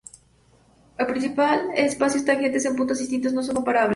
En principio, espacios tangentes en puntos distintos no son comparables.